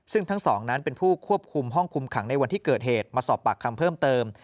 ซึ่งทั้งสองนั้นเป็นผู้ควบคุมห้องคุมขังในวันที่เกิดเหตุมาสอบปากคำเพิ่มเติม